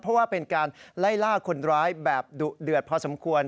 เพราะว่าเป็นการไล่ล่าคนร้ายแบบดุเดือดพอสมควร